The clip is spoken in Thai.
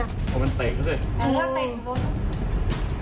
ขอตอยก็